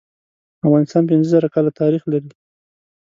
افغانستان پینځه زره کاله تاریخ لري.